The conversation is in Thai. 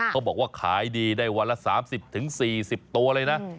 เขาบอกว่าขายดีได้วันละ๓๐๔๐ตัวเลยนะ